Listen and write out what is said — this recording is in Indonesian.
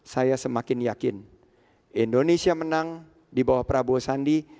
saya semakin yakin indonesia menang di bawah prabowo sandi